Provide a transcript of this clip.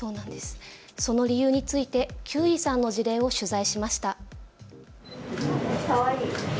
その理由について休井さんの事例を取材しました。